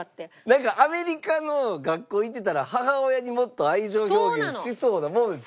なんかアメリカの学校行ってたら母親にもっと愛情表現しそうなもんですけどね。